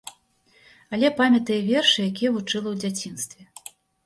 Але памятае вершы, якія вучыла ў дзяцінстве.